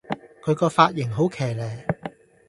佢個髮型好騎咧